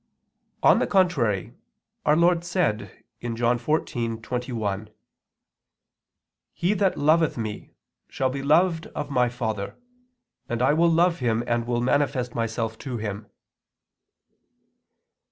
On the contrary, Our Lord said (John 14:21): "He that loveth Me, shall be loved of My Father; and I will love him and will manifest Myself to him."